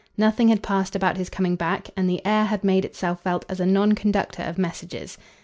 Nothing had passed about his coming back, and the air had made itself felt as a non conductor of messages.